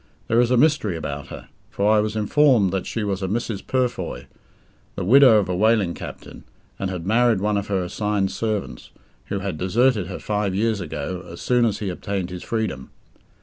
There is a mystery about her, for I was informed that she was a Mrs. Purfoy, the widow of a whaling captain, and had married one of her assigned servants, who had deserted her five years ago, as soon as he obtained his freedom.